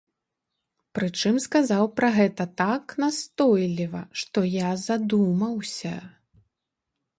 Прычым сказаў пра гэта так настойліва, што я задумаўся.